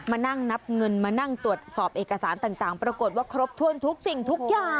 มานั่งนับเงินมานั่งตรวจสอบเอกสารต่างปรากฏว่าครบถ้วนทุกสิ่งทุกอย่าง